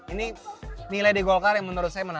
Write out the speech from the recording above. ini nilai di golkar yang menurut saya menurut saya